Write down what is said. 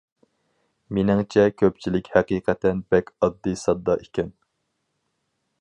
مېنىڭچە كۆپچىلىك ھەقىقەتەن بەك ئاددىي- ساددا ئىكەن.